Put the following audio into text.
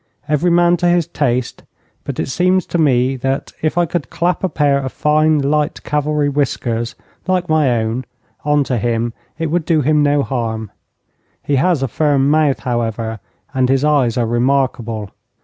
Every man to his taste, but it seems to me that, if I could clap a pair of fine light cavalry whiskers, like my own, on to him, it would do him no harm. He has a firm mouth, however, and his eyes are remarkable.